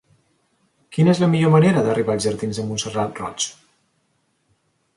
Quina és la millor manera d'arribar als jardins de Montserrat Roig?